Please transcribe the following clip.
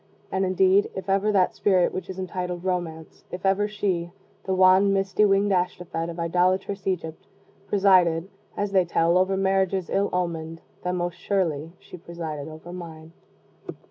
And, indeed, if ever that spirit which is entitled Romance if ever she, the wan misty winged Ashtophet of idolatrous Egypt, presided, as they tell, over marriages ill omened, then most surely she presided over mine.